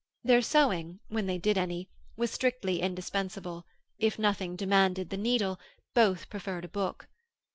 Their sewing, when they did any, was strictly indispensable; if nothing demanded the needle, both preferred a book.